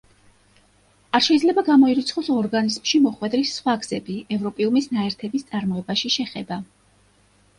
არ შეიძლება გამოირიცხოს ორგანიზმში მოხვედრის სხვა გზები, ევროპიუმის ნაერთების წარმოებაში შეხება.